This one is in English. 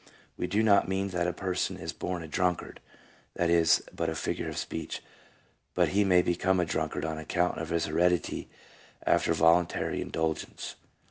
We do not mean that a person is born a drunkard — that is but a figure of speech ; but he may become a drunkard on account of his heredity after voluntary indulgence.